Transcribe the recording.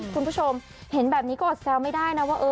คุณผู้ชมเห็นแบบนี้ก็อดแซวไม่ได้นะว่า